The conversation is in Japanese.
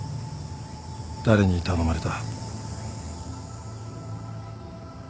誰に頼まれた？